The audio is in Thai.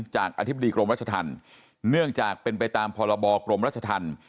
อธิบดีกรมรัชธรรมเนื่องจากเป็นไปตามพรบกรมรัชธรรม